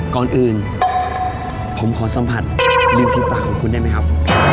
ก่อนอื่นผมขอสัมผัสริมฝีปากของคุณได้ไหมครับ